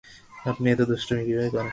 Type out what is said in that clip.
আপনি এত দুষ্টুমি কিভাবে করেন?